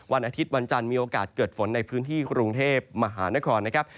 วันอาทิตย์วันจันทร์มีโอกาสเกิดฝนในพื้นที่กรุงเทพมหานครนะครับ